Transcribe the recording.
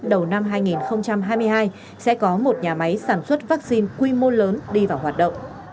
đầu năm hai nghìn hai mươi hai sẽ có một nhà máy sản xuất vaccine quy mô lớn đi vào hoạt động